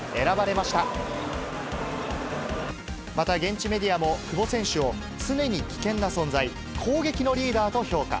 また現地メディアも、久保選手を、常に危険な存在、攻撃のリーダーと評価。